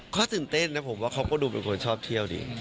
ข้าสึนเต้นนะว่าเค้าก็ดูเป็นคนชอบเที่ยวดิ